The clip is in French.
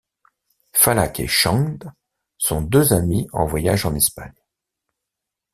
Falak et Chand sont deux amis en voyage en Espagne.